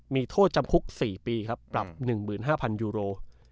มีโทษจำคุก๔ปีครับปรับ๑๕๐๐ยูโร